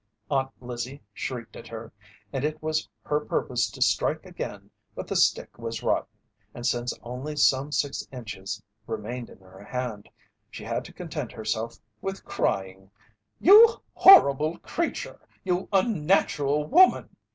Aunt Lizzie shrieked at her, and it was her purpose to strike again but the stick was rotten, and since only some six inches remained in her hand, she had to content herself with crying: "You horrible creature! You unnatural woman!